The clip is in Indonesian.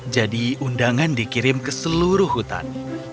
jadi undangan dikirim ke seluruh hutan